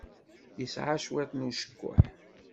Yesɛa cwiṭ n ucekkuḥ.